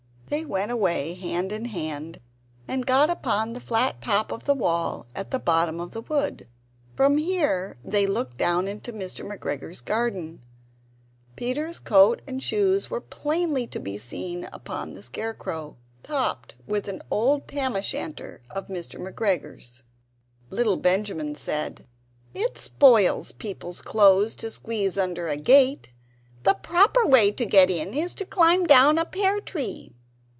They went away hand in hand, and got upon the flat top of the wall at the bottom of the wood. From here they looked down into Mr. McGregor's garden. Peter's coat and shoes were plainly to be seen upon the scarecrow, topped with an old tam o' shanter of Mr. McGregor's. Little Benjamin said: "It spoils people's clothes to squeeze under a gate; the proper way to get in is to climb down a pear tree."